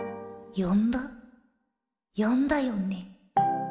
よんだよね？